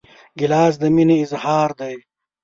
ګیلاس د مینې اظهار دی.